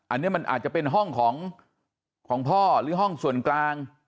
อันนี้มันอาจจะเป็นห้องของพ่อหรือห้องส่วนกลาง